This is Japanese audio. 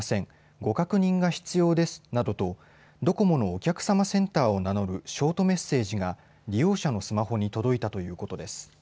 ご確認が必要ですなどとドコモのお客様センターを名乗るショートメッセージが利用者のスマホに届いたということです。